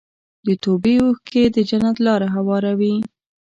د توبې اوښکې د جنت لاره هواروي.